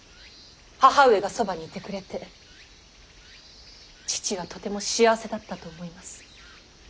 義母上がそばにいてくれて父はとても幸せだったと思います。